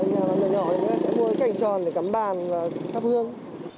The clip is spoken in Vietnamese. những nhà mà người nhỏ thì người ta sẽ mua cái cành tròn để cắm bàn và cắp hương